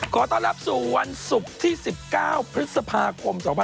ขอต้อนรับสู่วันศุกร์ที่๑๙พฤษภาคม๒๕๖๒